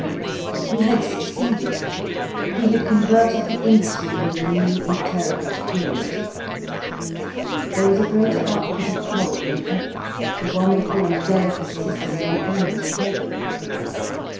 He had succeeded. He had converted the industry into a new and terrible purity. There was a greater output of coal than ever, the wonderful and delicate system ran almost perfectly.